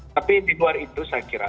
tapi di luar itu saya kira